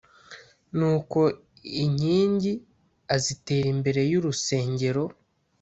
Nuko inkingi azitera imbere y urusengero